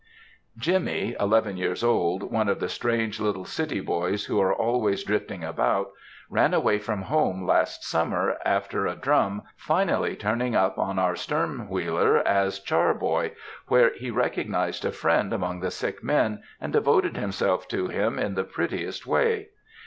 "Jimmy," eleven years old, one of the strange little city boys who are always drifting about, ran away from home last summer, after a drum, finally turning up on our stern wheeler as char boy, where he recognized a friend among the sick men, and devoted himself to him in the prettiest way.